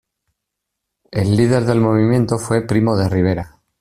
El líder del movimiento fue: Primo de Rivera.